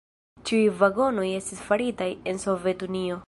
Ĉiuj vagonoj estis faritaj en Sovetunio.